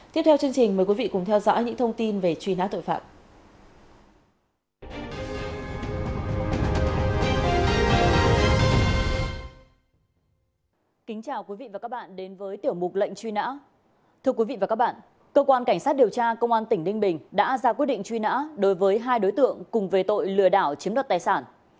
kính chào quý vị và các bạn đến với tiểu mục lệnh truy nã thưa quý vị và các bạn cơ quan cảnh sát điều tra công an tỉnh ninh bình đã ra quyết định truy nã đối với hai đối tượng cùng về tội lừa đảo chiếm đoạt tài sản